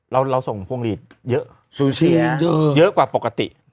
เราส่งพวงลีดเยอะเยอะกว่าปกติ